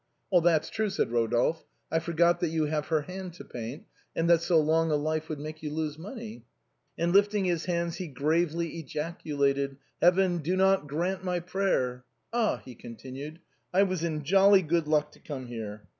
" That's true," said Eodolphe ;" I forgot that you have her hand to paint, and that so long a life would make you lose money ;" and lifting his hands he gravely ejaculated :" Heaven, do not grant my prayer ! Ah !" he continued, " I was in jolly good luck to come here."